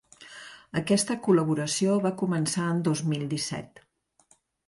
Aquesta col·laboració va començar en dos mil disset.